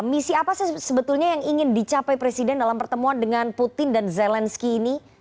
misi apa sih sebetulnya yang ingin dicapai presiden dalam pertemuan dengan putin dan zelensky ini